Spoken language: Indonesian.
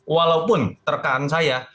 walaupun terkaan saya